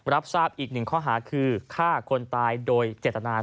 รับทราบอีกหนึ่งข้อหาคือฆ่าคนตายโดยเจตนา